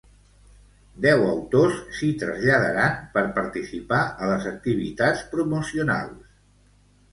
Deu autors s'hi traslladaran per participar a les activitats promocionals.